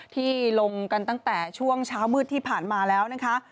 ที่ลงกันตั้งแต่ช่วงเช้ามืดที่ผ่านมาแล้วนะคะ